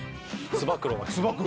つば九郎が。